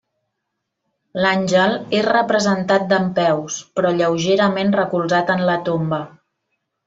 L'àngel és representat dempeus, però lleugerament recolzat en la tomba.